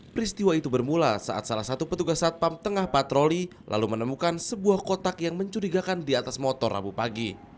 peristiwa itu bermula saat salah satu petugas satpam tengah patroli lalu menemukan sebuah kotak yang mencurigakan di atas motor rabu pagi